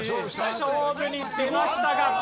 勝負に出ましたが。